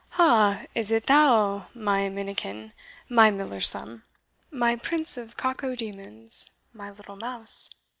"Ha! is it thou, my minikin my miller's thumb my prince of cacodemons my little mouse?"